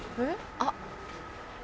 あっ。